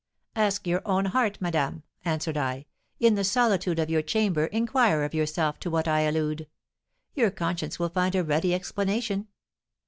'Ask your own heart, madame,' answered I; 'in the solitude of your chamber inquire of yourself to what I allude: your conscience will find a ready explanation.'